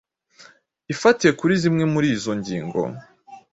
ifatiye kuri zimwe muri izo ngingo